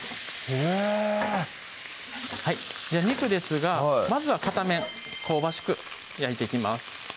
へぇ肉ですがまずは片面香ばしく焼いていきます